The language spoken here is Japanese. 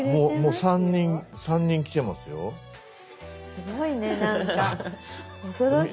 すごいねなんか恐ろしい。